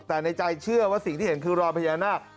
แต่ในใจเชื่อว่าสิ่งที่เห็นคือรอยพญานาค